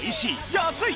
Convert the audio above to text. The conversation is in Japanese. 安い！